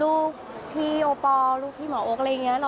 ลูกพี่โอปอลลูกพี่หมอโอ๊คอะไรอย่างนี้